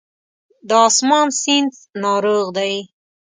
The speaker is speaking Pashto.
د آسمان سیند ناروغ دی